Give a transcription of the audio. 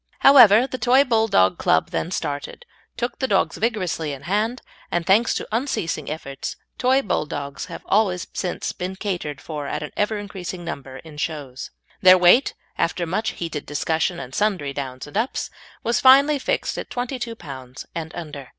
However, the Toy Bulldog Club then started, took the dogs vigorously in hand, and thanks to unceasing efforts, Toy Bulldogs have always since been catered for at an ever increasing number of shows. Their weight, after much heated discussion and sundry downs and ups, was finally fixed at twenty two pounds and under.